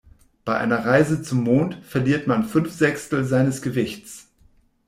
Bei einer Reise zum Mond verliert man fünf Sechstel seines Gewichts.